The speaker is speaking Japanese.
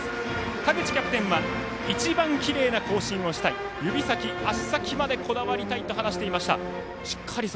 田口キャプテンは一番きれいな行進をしたい指先、足先までこだわりたいと話していました。